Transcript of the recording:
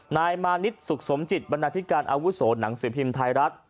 นายมานิดสุขสมจิตบรรณาธิการอาวุโสหนังสือพิมพ์ไทยรัฐ